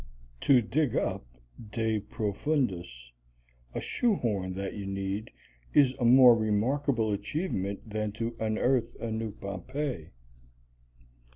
To dig up de profundis a shoehorn that you need is a more remarkable achievement than to unearth a new Pompeii.